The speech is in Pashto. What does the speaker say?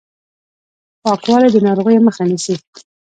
پاکوالی د ناروغیو مخه نیسي